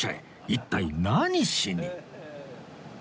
一体何しに？